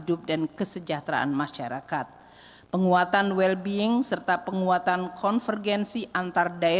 strategi transisi ekonomi hijau mencapai investasi